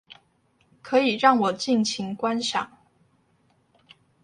可以讓我盡情觀賞